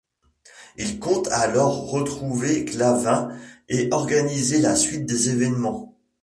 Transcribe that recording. Il compte alors retrouver Clavain et organiser la suite des évènements.